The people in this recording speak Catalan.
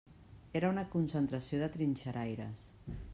Era una concentració de trinxeraires.